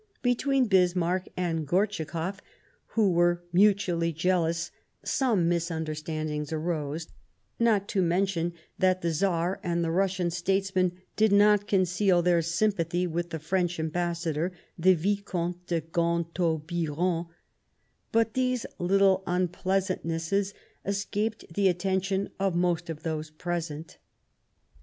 Between Bismarck and Gortschakoff, who were mutually jealous, some misunderstandings arose, not to mention that the Tsar and the Russian statesman did not conceal their sympathy with the French Ambassador, the Vicomte de Gontaut Biron ; but these small unpleasantnesses escaped the attention of most of those present.